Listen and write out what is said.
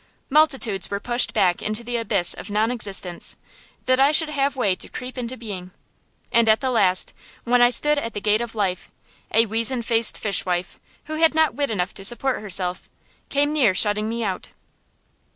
Multitudes were pushed back into the abyss of non existence, that I should have way to creep into being. And at the last, when I stood at the gate of life, a weazen faced fishwife, who had not wit enough to support herself, came near shutting me out.